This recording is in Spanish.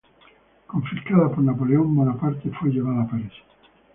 Confiscada por Napoleón Bonaparte, fue llevada a París.